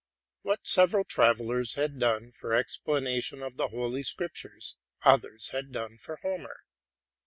What several travel lers had done for explanation of the Holy Scriptures, others had done for Homer.